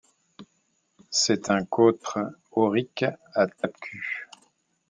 C'est un cotre aurique à tapecul.